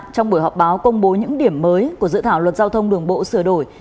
trong buổi họp báo công bố những điểm mới của dự thảo luật giao thông đường bộ sửa đổi